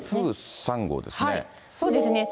そうですね。